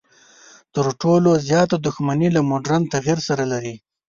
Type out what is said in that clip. تر ټولو زیاته دښمني له مډرن تعبیر سره لري.